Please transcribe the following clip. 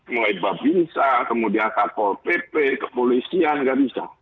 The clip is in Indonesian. mau ipah binsa kemudian kpp kepolisian tidak bisa